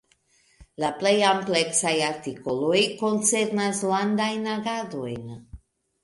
La plej ampleksaj artikoloj koncernas landajn agadojn.